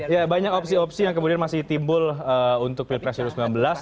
ya banyak opsi opsi yang kemudian masih timbul untuk pilpres dua ribu sembilan belas